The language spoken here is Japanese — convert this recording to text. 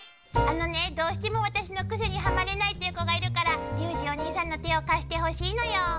あのねどうしても私のクセにハマれないっていう子がいるからリュウジおにいさんの手を貸してほしいのよ。